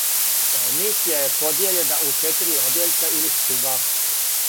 Мисија је подијељена у четири одјељка или стуба.